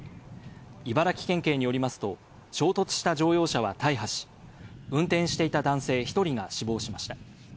茨城県警によりますと衝突した乗用車は大破し、運転していた男性１人が死亡しました。